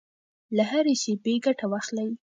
له هرې شېبې ګټه واخلئ.